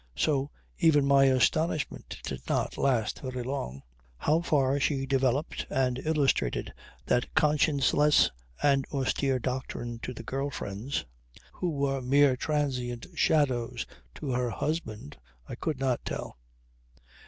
So even my astonishment did not last very long. How far she developed and illustrated that conscienceless and austere doctrine to the girl friends, who were mere transient shadows to her husband, I could not tell.